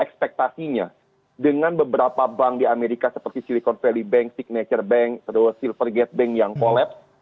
ekspektasinya dengan beberapa bank di amerika seperti silicon valley bank signature bank silver gate bank yang kolapse